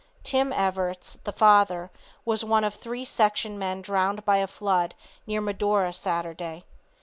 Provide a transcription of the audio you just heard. Tom Everetts, the father, was one of three section men drowned by a flood near Medora Saturday.